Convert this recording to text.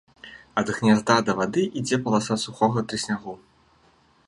Ад гнязда да вады ідзе паласа сухога трыснягу.